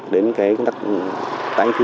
đến tái định cư